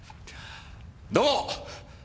どうも。